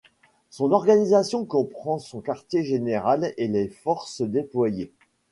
Son organisation comprend son quartier général et les forces déployées.